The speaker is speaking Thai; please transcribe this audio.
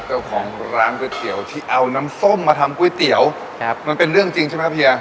เจ้าของร้านก๋วยเตี๋ยวที่เอาน้ำส้มมาทำก๋วยเตี๋ยวครับมันเป็นเรื่องจริงใช่ไหมเฮีย